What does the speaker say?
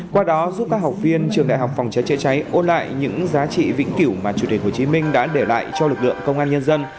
qua đó giúp các học viên trường đại học phòng cháy chữa cháy ôn lại những giá trị vĩnh cửu mà chủ tịch hồ chí minh đã để lại cho lực lượng công an nhân dân